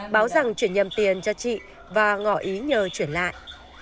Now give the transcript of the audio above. báo rằng chuyển nhầm tiền cho chị và ngỏ ý nhờ chuyển lại